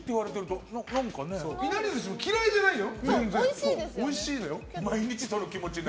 いなり寿司も嫌いじゃないよ？